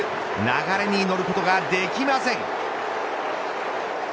流れに乗ることができません。